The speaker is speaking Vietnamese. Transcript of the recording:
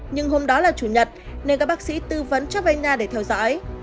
nhưng hôm đó là chủ nhật nên các bác sĩ tư vấn cho về nhà để theo dõi